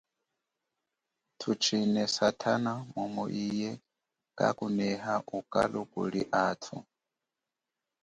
Tuchine satana mumu iye kakuneha ukalu kuli atu.